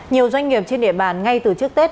nhiều doanh nghiệp trên địa bàn ngay từ trước tết